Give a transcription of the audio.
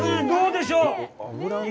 どうでしょう。